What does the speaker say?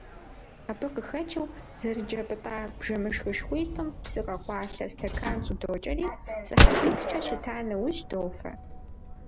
Абы къыхэкӏыу, зэрыджэ пӏытӏа бжэмышхышхуитӏым псы къэкъуалъэ стэкан щӏыдокӏэри, сыхьэтиплӏкӏэ щыта нэужь, дофэ.